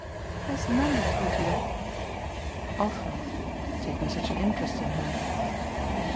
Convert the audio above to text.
"Has Nanda told you that?" "Often taking such an interest in her."